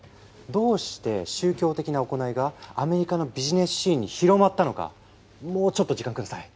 どうして宗教的な行いがアメリカのビジネスシーンに広まったのかもうちょっと時間下さい。